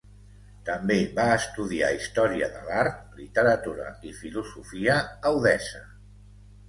També va estudiar història de l'art, literatura i filosofia a Odessa.